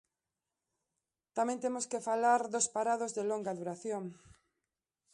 Tamén temos que falar dos parados de longa duración.